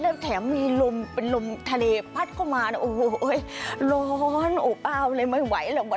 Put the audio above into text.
แล้วแถมมีลมเป็นลมทะเลพัดเข้ามาโอ้โหร้อนโอ้เปล่าเลยไม่ไหว